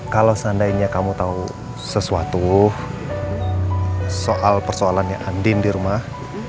kalau seandainya kamu tahu sesuatu soal persoalannya andin di rumah